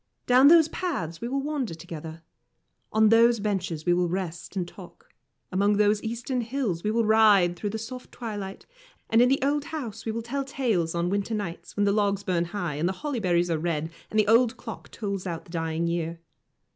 Down those paths we will wander together. On those benches we will rest and talk. Among those eastern hills we will ride through the soft twilight, and in the old house we will tell tales on winter nights, when the logs burn high, and the holly berries are red, and the old clock tolls out the dying year.